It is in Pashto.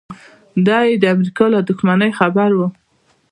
دی یې د امریکا له دښمنۍ خبر و